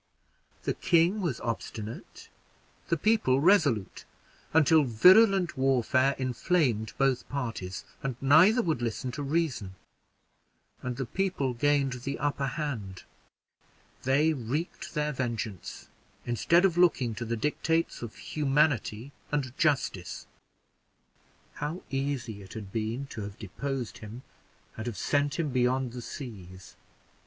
The king was obstinate, the people resolute, until virulent warfare inflamed both parties, and neither would listen to reason; and the people gained the upper hand they wreaked their vengeance, instead of looking to the dictates of humanity and justice. How easy it had been to have deposed him, and have sent him beyond the seas!